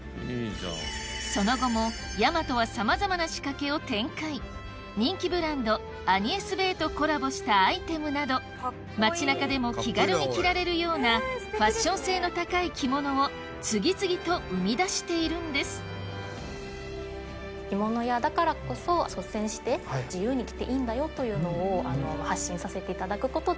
その後もやまとはさまざまな仕掛けを展開人気ブランドアニエスベーとコラボしたアイテムなど街中でも気軽に着られるようなファッション性の高い着物を次々と生み出しているんですというのを発信させていただくことで。